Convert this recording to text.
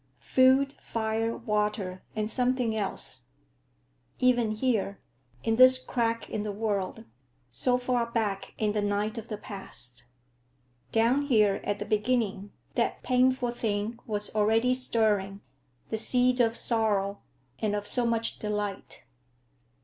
Food, fire, water, and something else—even here, in this crack in the world, so far back in the night of the past! Down here at the beginning that painful thing was already stirring; the seed of sorrow, and of so much delight.